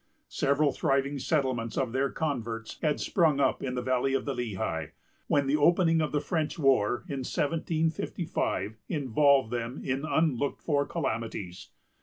Several thriving settlements of their converts had sprung up in the valley of the Lehigh, when the opening of the French war, in 1755, involved them in unlooked for calamities.